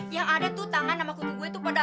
yang ada tuh tangan sama kutu gue tuh pada